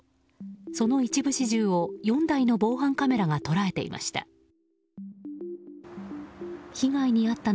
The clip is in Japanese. その一部始終を４台の防犯カメラが捉えていました。